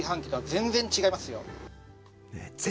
全然違いますよ。